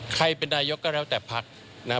ใครเป็นนายกรัฐมนตรีก็แล้วแต่ภักดิ์